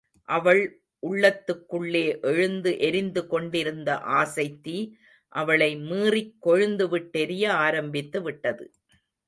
அவள் உள்ளத்துக்குள்ளே எழுந்து எரிந்துகொண்டிருந்த ஆசைத்தீ, அவளை மீறிக் கொழுந்துவிட்டெரிய ஆரம்பித்துவிட்டது.